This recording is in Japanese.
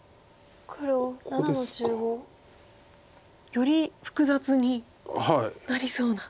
より複雑になりそうな。